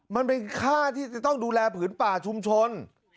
มันเป็นค่าที่จะต้องดูแลผืนป่าชุมชน